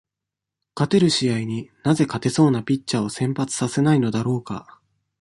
勝てる試合に、なぜ勝てそうなピッチャーを先発させないのだろうか。